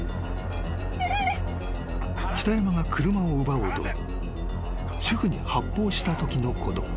［北山が車を奪おうと主婦に発砲したときのこと］